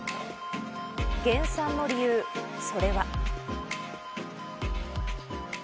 減産の理由、それは。